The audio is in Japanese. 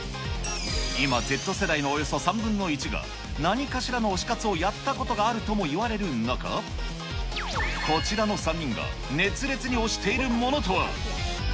今、Ｚ世代のおよそ３分の１が何かしらの推し活をやったことがあるともいわれる中、こちらの３人が熱烈に推しているものとは。